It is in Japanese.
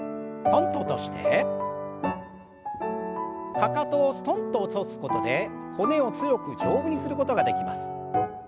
かかとをすとんと落とすことで骨を強く丈夫にすることができます。